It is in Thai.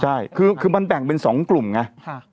ใช่คือมันแบ่งเป็น๒กลุ่มไง